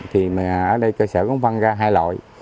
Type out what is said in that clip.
thì ở đây cơ sở cũng văng ra hai loại